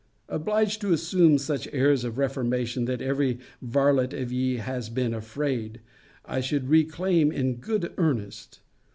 Obliged to assume such airs of reformation, that every varlet of ye has been afraid I should reclaim in good earnest.